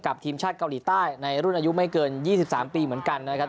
ทีมชาติเกาหลีใต้ในรุ่นอายุไม่เกิน๒๓ปีเหมือนกันนะครับ